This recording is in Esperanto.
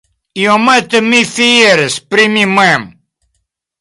Iomete mi fieris pri mi mem!